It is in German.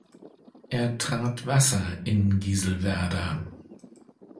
Er trat Wasser in Gieselwerder.